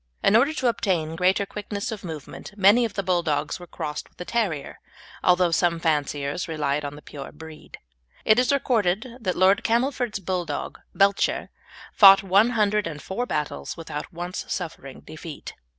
In order to obtain greater quickness of movement many of the Bulldogs were crossed with a terrier, although some fanciers relied on the pure breed. It is recorded that Lord Camelford's Bulldog Belcher fought one hundred and four battles without once suffering defeat.